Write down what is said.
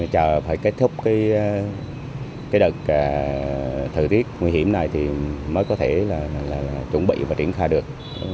chờ phải kết thúc cái đợt thời tiết nguy hiểm này thì mới có thể là chuẩn bị và triển khai được